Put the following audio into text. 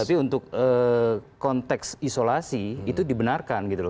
tapi untuk konteks isolasi itu dibenarkan gitu loh